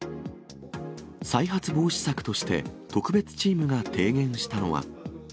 再発防止策として、特別チームが提言したのは。